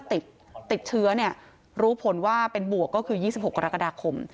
แล้วก็มาติดเชื้อนี่รู้ผลว่าเป็นบวกก็คือ๒๖กรกฎาคม